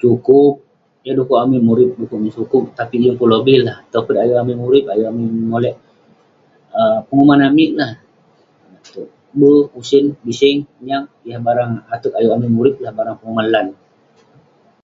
Sukup. Yah dekuk amik murip, dekuk amik sukup. Tapik yeng pun lobih lah, topet ayuk amik murip, ayuk amik memolek. um penguman amik nah, konak tog ber, usen, biseng, nyag. Yah barang ateg ayuk amik murip lah, barang penguman lan.